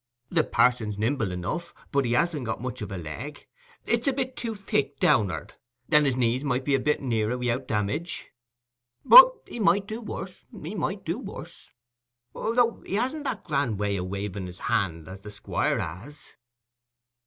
The parson's nimble enough, but he hasn't got much of a leg: it's a bit too thick down'ard, and his knees might be a bit nearer wi'out damage; but he might do worse, he might do worse. Though he hasn't that grand way o' waving his hand as the Squire has."